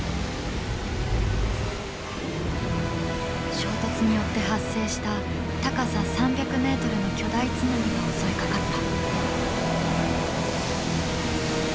衝突によって発生した高さ３００ｍの巨大津波が襲いかかった。